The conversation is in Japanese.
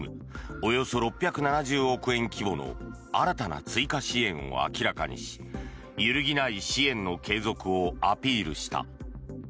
およそ６７０億円規模の新たな追加支援を明らかにし揺るぎない支援の継続をアピールした。